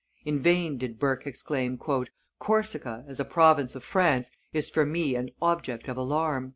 In vain did Burke exclaim, "Corsica, as a province of France, is for me an object of alarm!"